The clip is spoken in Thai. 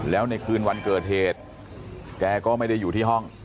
แล้วในคืนวันเกิดเหตุแกก็ไม่ได้อยู่ที่ห้อง